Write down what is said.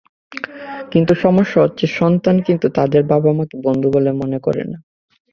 কিন্তু সমস্যা হচ্ছে, সন্তান কিন্তু তাদের বাবা-মাকে বন্ধু বলে মনে করে না।